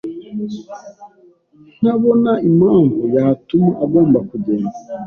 ntabona impamvu yatuma agomba kugenda.